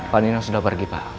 panino sudah pergi pak